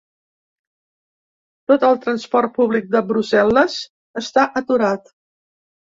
Tot el transport públic de Brussel·les està aturat.